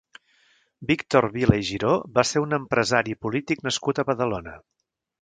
Víctor Vila i Giró va ser un empresari i polític nascut a Badalona.